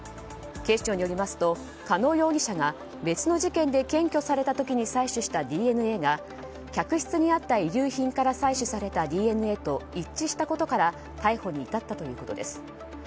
警視庁によりますと加納容疑者が別の事件で検挙された際に採取したＤＮＡが客室にあった遺留品から採取されたＤＮＡと一致したことから逮捕に至ったということです。